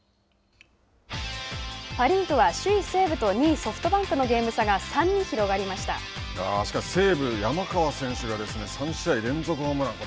パ・リーグは首位西武と２位ソフトバンクのゲーム差がしかし西武山川選手が３試合連続ホームラン。